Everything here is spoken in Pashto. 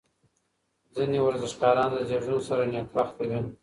ځینې ورزشکاران د زېږون سره نېکبخته وي.